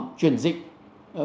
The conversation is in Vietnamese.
đôi khi là những nền móng